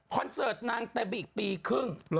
เสิร์ตนางเต็มอีกปีครึ่ง